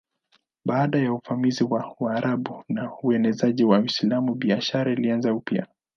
Baada ya uvamizi wa Waarabu na uenezaji wa Uislamu biashara ilianza upya.